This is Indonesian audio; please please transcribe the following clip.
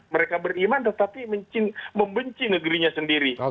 mereka beriman tetapi membenci negerinya sendiri